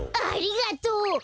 ありがとう！